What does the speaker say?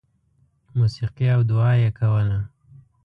• موسیقي او دعا یې کوله.